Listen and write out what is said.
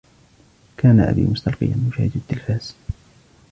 كان أبي مستلقيا، يشاهد التلفاز.